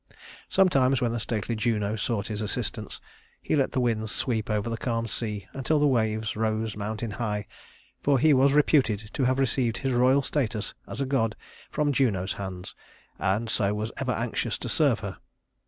Sometimes when the stately Juno sought his assistance, he let the winds sweep over the calm sea until the waves rose mountain high, for he was reputed to have received his royal status as god from Juno's hands, and so was ever anxious to serve her.